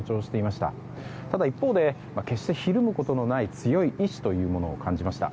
ただ一方で、決してひるむことのない強い意志を感じました。